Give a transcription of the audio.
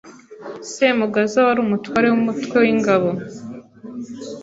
Semugaza wari umutware w’umutwe w’ingabo